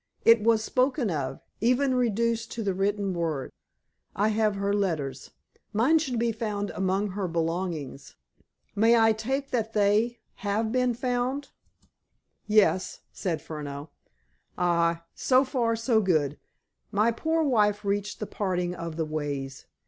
It was spoken of, even reduced to the written word. I have her letters. Mine should be found among her belongings. May I take it that they have been found?" "Yes," said Furneaux. "Ah. So far, so good. My poor wife reached the parting of the ways.